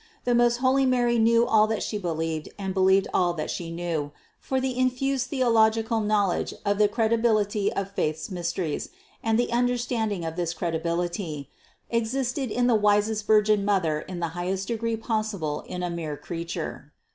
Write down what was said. The most holy Mary knew all that She believed and believed all that She knew ; for the infused theological knowledge of the credibility of faith's mysteries, and the understanding of this credibility, existed in the wisest Virgin Mother in the highest degree possible in a mere creature.